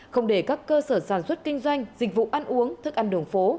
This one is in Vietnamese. không để các cơ sở sản xuất kinh doanh dịch vụ ăn uống thức ăn đường phố